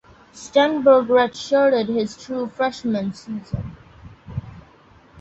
Stenberg redshirted his true freshman season.